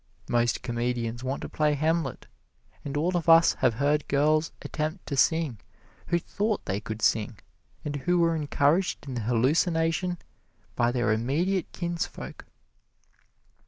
Most comedians want to play Hamlet, and all of us have heard girls attempt to sing who thought they could sing, and who were encouraged in the hallucination by their immediate kinsfolk.